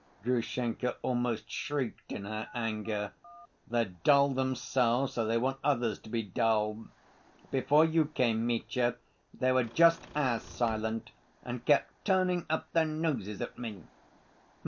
Grushenka almost shrieked in her anger. "They're dull themselves, so they want others to be dull. Before you came, Mitya, they were just as silent and kept turning up their noses at me."